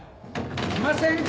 いませんかーっ！？